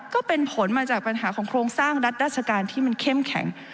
ก็เป็นผลมาจากปัญหาของโครงสร้างรัฐราชการที่มันเข้มแข็ง